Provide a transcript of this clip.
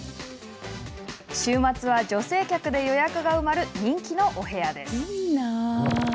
週末には女性客で予約が埋まる人気のお部屋です。